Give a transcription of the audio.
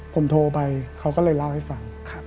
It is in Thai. ผมโทรไปเขาก็เลยเล่าให้ฟัง